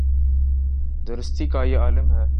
درستی کا یہ عالم ہے۔